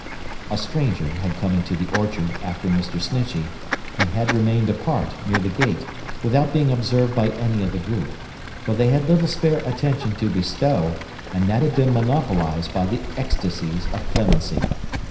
A stranger had come into the orchard, after Mr. Snitchey, and had remained apart, near the gate, without being observed by any of the group; for they had little spare attention to bestow, and that had been monopolised by the ecstasies of Clemency.